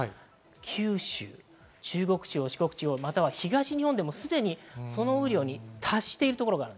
九州、中国地方、四国地方、東日本でもすでにその雨量に達しています。